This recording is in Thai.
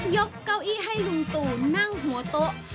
เก้าอี้ให้ลุงตู่นั่งหัวโต๊ะ